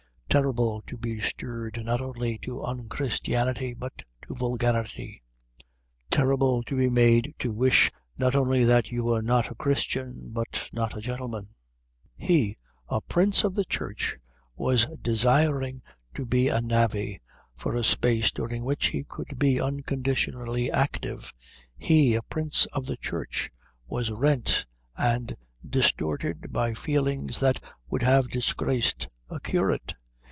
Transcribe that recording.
Terrible to be stirred not only to unchristianity but to vulgarity. Terrible to be made to wish not only that you were not a Christian but not a gentleman. He, a prince of the Church, was desiring to be a navvy for a space during which he could be unconditionally active. He, a prince of the Church, was rent and distorted by feelings that would have disgraced a curate.